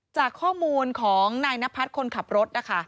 จากข้อมูลของนายนพัฒน์คนขับรถนะคะ